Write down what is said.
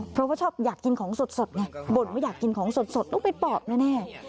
เพราะว่าชอบอยากกินของสดไงบ่นว่าอยากกินของสดต้องไปปอบแน่